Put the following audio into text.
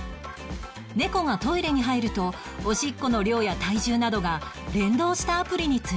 猫がトイレに入るとおしっこの量や体重などが連動したアプリに通知されます